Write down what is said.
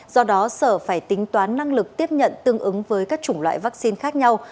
do đó sở phải tính toán năng lực tiếp nhận tương ứng với các chủng loại vaccine khác nhau